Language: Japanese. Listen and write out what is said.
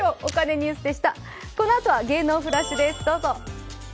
このあとは芸能フラッシュです。